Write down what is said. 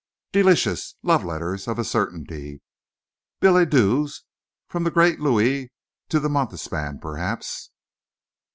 "Delicious! Love letters, of a certainty! Billets doux from the great Louis to the Montespan, perhaps?"